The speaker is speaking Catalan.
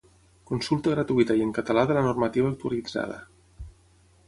Consulta gratuïta i en català de la normativa actualitzada.